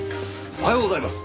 おはようございます。